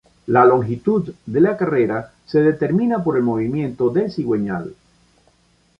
La longitud de la carrera se determina por el movimiento del cigüeñal.